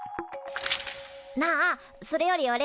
なあそれよりおれ